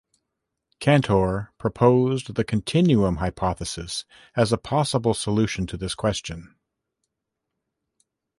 Cantor proposed the continuum hypothesis as a possible solution to this question.